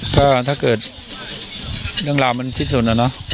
ถ้าถ้าเกิดดั่งรามันสิ้นส่วนน่ะเนาะ